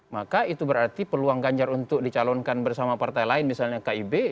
maka itu berarti peluang ganjar untuk dicalonkan bersama partai lain misalnya kib